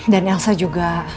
dan elsa juga